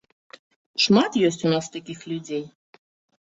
Шмат ёсць у нас такіх людзей.